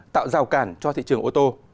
tạo rào cản cho thị trường ô tô